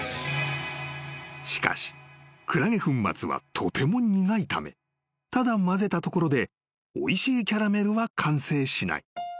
［しかしクラゲ粉末はとても苦いためただ混ぜたところでおいしいキャラメルは完成しない］